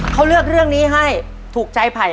เขาเลือกเรื่องนี้ให้ถูกใจไผ่